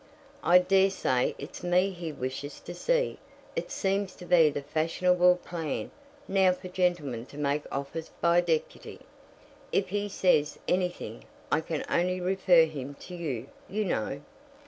"I dare say it's me he wishes to see. It seems to be the fashionable plan now for gentlemen to make offers by deputy. If he says anything, I can only refer him to you, you know."